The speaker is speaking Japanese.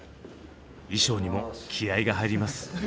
衣装にも気合いが入ります。